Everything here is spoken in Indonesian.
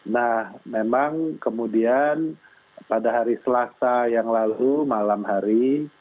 nah memang kemudian pada hari selasa yang lalu malam hari